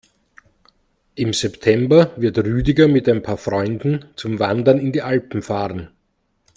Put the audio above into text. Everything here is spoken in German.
Im September wird Rüdiger mit ein paar Freunden zum Wandern in die Alpen fahren.